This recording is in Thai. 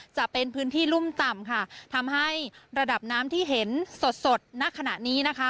จะเป็นพื้นที่รุ่มต่ำค่ะทำให้ระดับน้ำที่เห็นสดสดณขณะนี้นะคะ